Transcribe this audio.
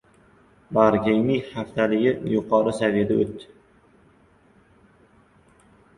Bag‘rikenglik haftaligi yuqori saviyada o‘tdi